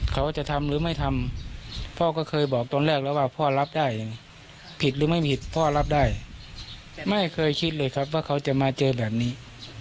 เขาจะทำหรือไม่ทำพ่อก็เคยบอกตอนแรกแล้วว่าพ่อรับได้ยังไงผิดหรือไม่ผิดพ่อรับได้ไม่เคยคิดเลยครับว่าเขาจะมาเจอแบบนี้